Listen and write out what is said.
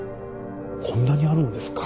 こんなにあるんですか。